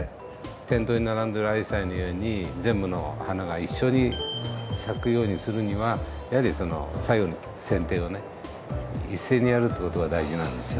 店頭に並んでるアジサイのように全部の花が一緒に咲くようにするには最後のせん定を一斉にやるって事が大事なんですよね。